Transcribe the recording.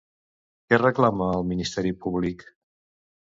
Què reclama el ministeri públic?